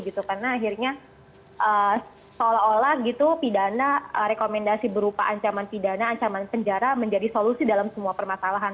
karena akhirnya seolah olah pidana rekomendasi berupa ancaman pidana ancaman penjara menjadi solusi dalam semua permasalahan